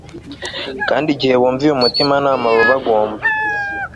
Kandi igihe bumviye umutimanama baba bagomba